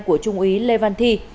của trung úy lê văn thi